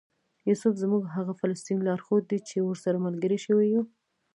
یوسف زموږ هغه فلسطینی لارښود دی چې ورسره ملګري شوي یو.